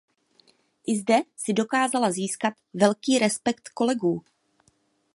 I zde si dokázala získat velký respekt kolegů.